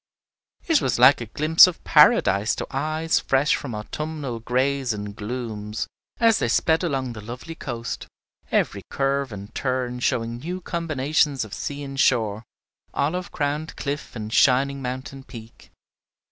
It was like a glimpse of Paradise to eyes fresh from autumnal grays and glooms, as they sped along the lovely coast, every curve and turn showing new combinations of sea and shore, olive crowned cliff and shining mountain peak.